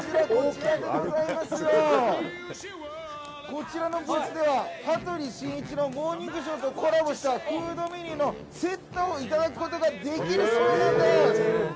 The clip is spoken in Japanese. こちらのブースでは「羽鳥慎一モーニングショー」とコラボしたフードメニューのセットをいただくことができるそうなんです。